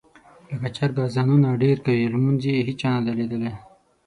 لکه چرګ اذانونه ډېر کوي لمونځ یې هېچا نه دي لیدلي.